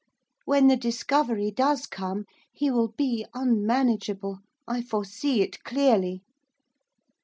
When the discovery does come, he will be unmanageable, I foresee it clearly.